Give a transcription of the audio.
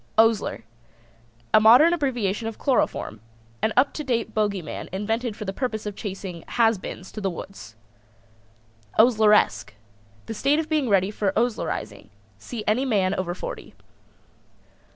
OSLER. A modern abbreviation of chloroform. An up to date bogie man invented for the purpose of chasing "has beens" to the woods. OSLERESQUE. The state of being ready for Oslerizing. See any man over forty.